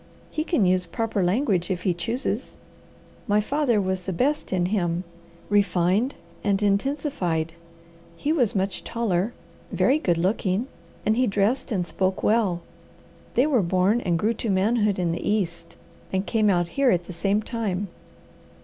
He can use proper language, if he chooses. My father was the best in him, refined and intensified. He was much taller, very good looking, and he dressed and spoke well. They were born and grew to manhood in the East, and came out here at the same time.